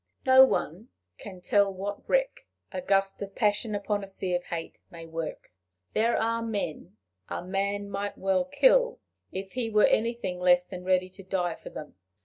No one can tell what wreck a gust of passion upon a sea of hate may work. There are men a man might well kill, if he were anything less than ready to die for them.